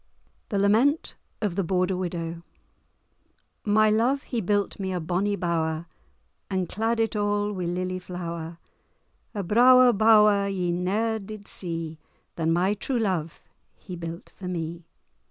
*THE LAMENT OF THE BORDER WIDOW* My love he built me a bonny bower, And clad it a' wi' lilye flower, A brawer bower ye ne'er did see, Than my true love he built for me.